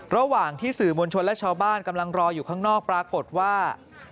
ระหว่างที่สื่อมวลชนและชาวบ้านกำลังรออยู่ข้างนอกปรากฏว่า